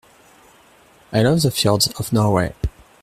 I love the fjords of Norway.